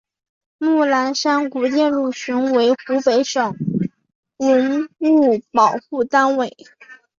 木兰山古建筑群为湖北省文物保护单位。